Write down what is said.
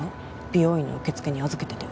美容院の受付に預けてて。